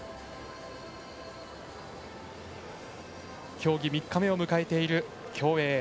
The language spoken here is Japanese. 競技３日目を迎えている競泳。